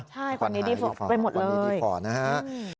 ใช่ขวัญหายไปหมดเลยขวัญหายดีฟอร์นะฮะค่ะ